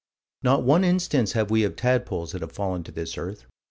Not one instance have we of tadpoles that have fallen to this earth.